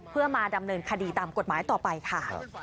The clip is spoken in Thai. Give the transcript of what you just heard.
เพื่อมาดำเนินคดีตามกฎหมายต่อไปค่ะ